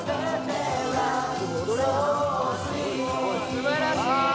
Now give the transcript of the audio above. すばらしい！